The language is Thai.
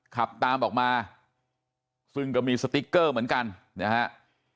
ขับตามออกมาซึ่งก็มีสติ๊กเกอร์เหมือนกันนะฮะ